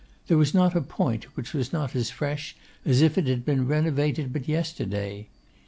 There was not a point which was not as fresh as if it had been renovated but yesterday.